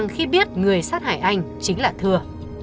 khi biết người sát hại anh chính là thừa